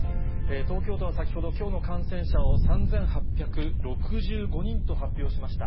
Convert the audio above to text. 東京都は先ほど、きょうの感染者を３８６５人と発表しました。